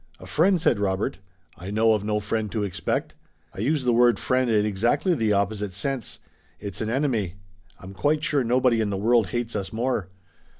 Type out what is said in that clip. "A friend!" said Robert. "I know of no friend to expect." "I used the word 'friend' in exactly the opposite sense. It's an enemy. I'm quite sure nobody in the world hates us more."